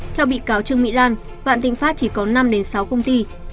theo bị cáo trương mỹ lan vạn tịnh pháp chỉ có năm sáu công ty